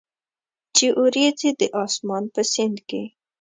چې اوریځي د اسمان په سیند کې،